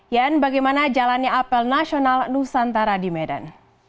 yan bagaimana jalannya apel nasional nusantara di medan